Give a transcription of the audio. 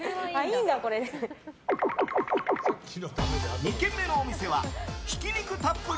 ２軒目のお店はひき肉たっぷり！